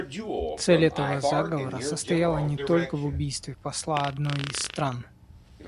Цель этого заговора состояла не только в убийстве посла одной из стран.